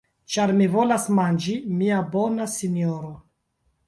Ĉar mi volas manĝi, mia bona sinjoro.